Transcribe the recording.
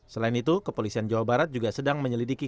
selain itu kepolisian jawa barat juga sedang menyelidiki